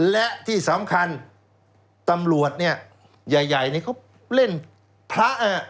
และที่สำคัญตำรวจเนี่ยใหญ่นี่เขาเล่นพระ